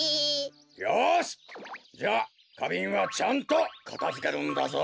よしじゃあかびんはちゃんとかたづけるんだぞ！